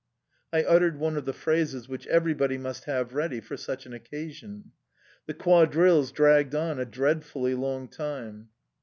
I uttered one of the phrases which everybody must have ready for such an occasion. The quadrilles dragged on a dreadfully long time.